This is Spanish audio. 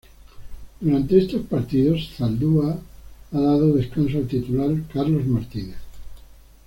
Durante estos partidos Zaldúa ha dado descanso al titular Carlos Martínez.